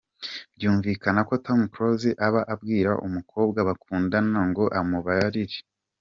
byumvikana ko Tom Close aba abwira umukobwa bakundanaga ngo amubabarire.